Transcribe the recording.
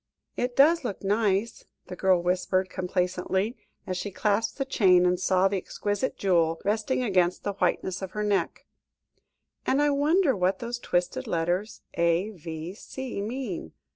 "It does look nice," the girl whispered complacently, as she clasped the chain, and saw the exquisite jewel resting against the whiteness of her neck, "and I wonder what those twisted letters A.V.C. mean?